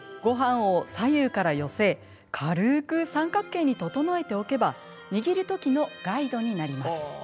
ごはんを左右から寄せ軽く三角形に整えておけば握るときのガイドになります。